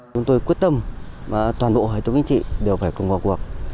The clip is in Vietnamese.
chúng tôi quyết tâm và toàn bộ hệ thống chính trị đều phải cùng vào cuộc